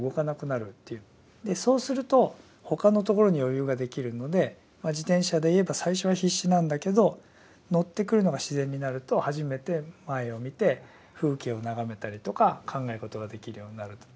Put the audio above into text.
そうすると他のところに余裕ができるので自転車でいえば最初は必死なんだけど乗ってくるのが自然になると初めて前を見て風景を眺めたりとか考え事ができるようになると。